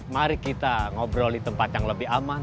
mari kita ngobrol di tempat yang lebih aman